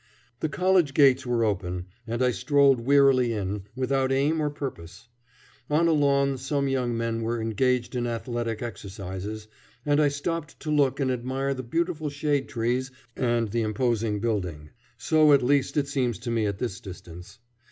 The college gates were open, and I strolled wearily in, without aim or purpose. On a lawn some young men were engaged in athletic exercises, and I stopped to look and admire the beautiful shade trees and the imposing building. So at least it seems to me at this distance.